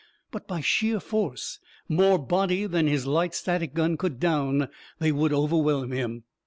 But by sheer force, more body than his light static gun could down, they would overwhelm him.